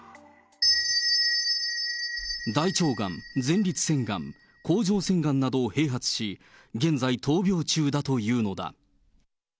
大腸がん、前立腺がん、甲状腺がんなどを併発し、現在、闘病中だというのだ。